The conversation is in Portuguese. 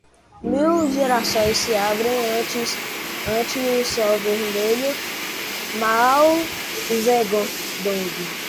Mil girassóis se abrem ante o Sol Vermelho, Mao Zedong